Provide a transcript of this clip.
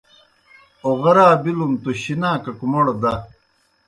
اوغرا بِلُن توْ شِناکَک موْڑ دہ۔